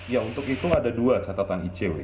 ya untuk itu ada dua catatan icw